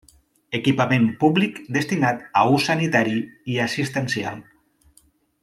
Equipament públic destinat a ús sanitari i assistencial.